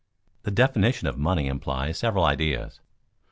The definition of money implies several ideas.